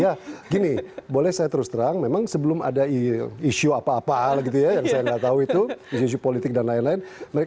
ya gini boleh saya terus terang memang sebelum ada isu apa apa hal gitu ya yang saya nggak tahu itu isu isu politik dan lain lain